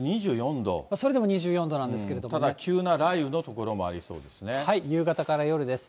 それでも２４度なんですけどただ急な雷雨の所もありそう夕方から夜です。